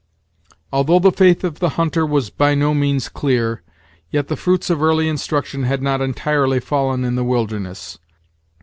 Although the faith of the hunter was by no means clear, yet the fruits of early instruction had not entirely fallen in the wilderness.